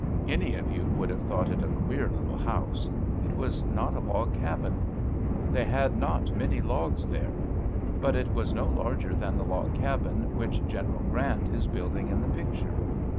Any of you would have thought it a queer little house. It was not a log cabin. They had not many logs there. But it was no larger than the log cabin which General Grant is building in the picture.